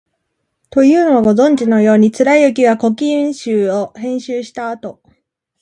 というのは、ご存じのように、貫之は「古今集」を編集したあと、